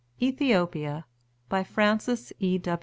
ETHIOPIA. BY FRANCES E.